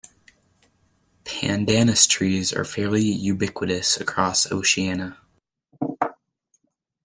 "Pandanus" trees are fairly ubiquitous across Oceania.